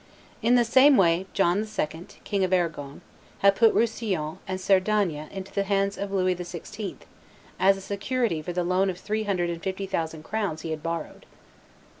In the same way John II., King of Arragon, had put Roussillon and Cerdagne into the hands of Louis XI., as a security for the loan of three hundred and fifty thousand crowns he had borrowed.